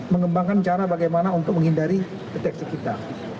mengembangkan cara bagaimana untuk menghindari deteksi kita